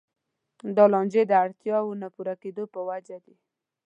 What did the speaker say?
دا لانجې د اړتیاوو نه پوره کېدو په وجه دي.